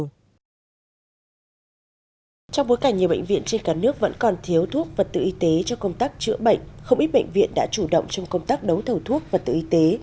trong bối cảnh nhiều bệnh viện trên cả nước vẫn còn thiếu thuốc vật tự y tế cho công tác chữa bệnh không ít bệnh viện đã chủ động trong công tác đấu thầu thuốc và tự y tế